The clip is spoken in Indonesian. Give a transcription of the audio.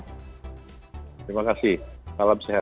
terima kasih salam sehat